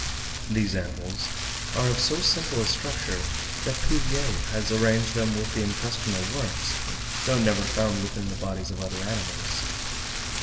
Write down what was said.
These animals are of so simple a structure, that Cuvier has arranged them with the intestinal worms, though never found within the bodies of other animals.